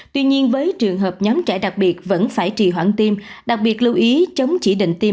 tuy nhiên với trường hợp nhóm trẻ đặc biệt vẫn phải trì hoãn tim đặc biệt lưu ý chống chỉ định tiêm